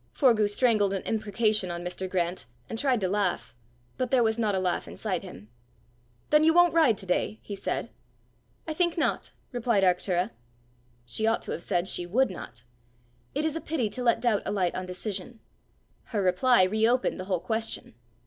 Forgue strangled an imprecation on Mr. Grant, and tried to laugh, but there was not a laugh inside him. "Then you won't ride to day?" he said. "I think not," replied Arctura. She ought to have said she would not. It is a pity to let doubt alight on decision. Her reply re opened the whole question.